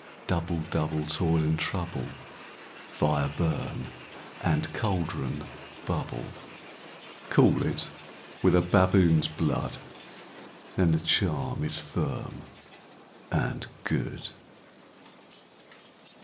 ALL. Double, double, toil and trouble; Fire, burn; and cauldron, bubble. SECOND WITCH. Cool it with a baboon's blood. Then the charm is firm and good.